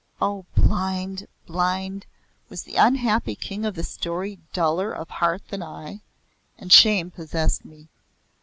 O blind blind! Was the unhappy King of the story duller of heart than I? And shame possessed me.